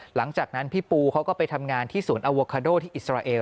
หลังจากนั้นพี่ปูเขาก็ไปทำงานที่สวนอโวคาโดที่อิสราเอล